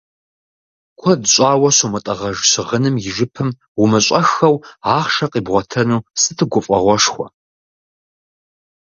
Куэд щӏауэ щыумытӏагъэж щыгъыным и жыпым умыщӏэххэу ахъшэ къибгъуатэну сыту гуфӏэгъуэшхуэ.